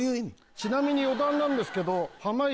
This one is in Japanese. ちなみに余談なんですけど濱家